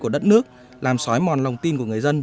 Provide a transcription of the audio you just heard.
của đất nước làm xói mòn lòng tin của người dân